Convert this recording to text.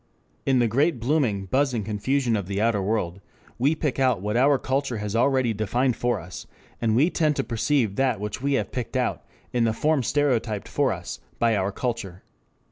In the great blooming, buzzing confusion of the outer world we pick out what our culture has already defined for us, and we tend to perceive that which we have picked out in the form stereotyped for us by our culture.